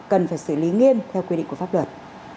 cần phải xử lý nghiêm theo quy định của pháp luật